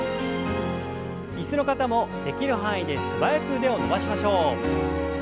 椅子の方もできる範囲で素早く腕を伸ばしましょう。